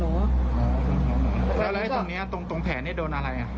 แล้วอะไรตรงเนี้ยตรงแผ่นเนี้ยโดนอะไรอ่ะ